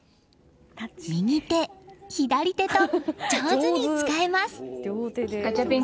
右手、左手と上手に使えます。